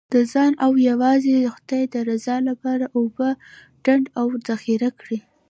د ځان او یوازې د خدای د رضا لپاره اوبه ډنډ او ذخیره کړئ.